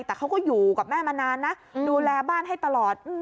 แต่เขาก็อยู่กับแม่มานานนะดูแลบ้านให้ตลอด